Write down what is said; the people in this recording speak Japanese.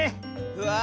うわ！